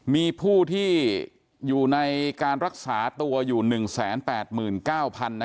มีผู้ที่อยู่ในการรักษาตัวอยู่๑๘๙๐๐